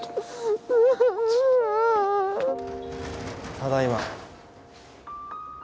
ただいま。